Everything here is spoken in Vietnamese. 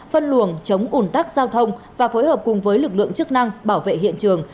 phân luồng chống ủn tắc giao thông và phối hợp cùng với lực lượng chức năng bảo vệ hiện trường